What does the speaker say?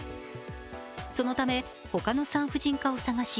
そのため他の産婦人科を探し